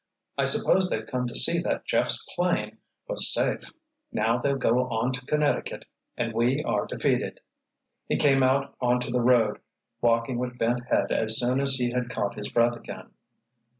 I suppose they've come to see that Jeff's 'plane was safe. Now they'll go on to Connecticut and we are defeated." He came out onto the road, walking with bent head as soon as he had caught his breath again.